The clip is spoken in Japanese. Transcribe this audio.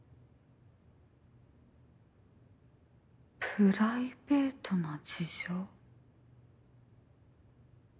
プライベートな事情。